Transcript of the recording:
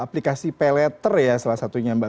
aplikasi pay letter ya salah satunya mbak